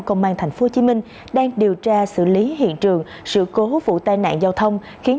công an tp hcm đang điều tra xử lý hiện trường sự cố vụ tai nạn giao thông khiến